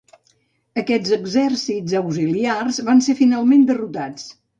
Aquests exèrcits auxiliars van ser finalment derrotats.